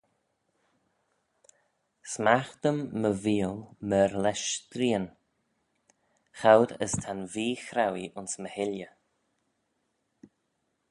Smaght-ym my veeal myr lesh streean: choud as ta'n vee-chrauee ayns my hilley.